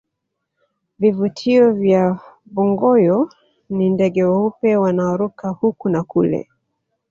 vivutio vya bongoyo ni ndege weupe wanaoruka huku na kule